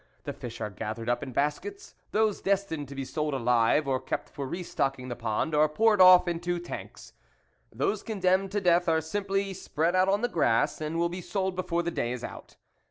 The fish are gathered up in baskets ; those destined to be sold alive, or kept for re stocking the pond, are poured off into tanks ; those condemned to death are simply spread out on the grass, and will be sold before the day is out.